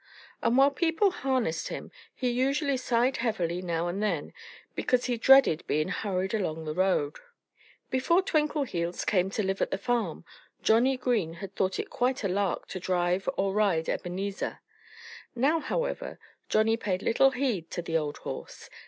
And while people harnessed him he usually sighed heavily now and then, because he dreaded being hurried along the road. Before Twinkleheels came to the farm to live, Johnnie Green had thought it quite a lark to drive or ride Ebenezer. Now, however, Johnnie paid little heed to the old horse.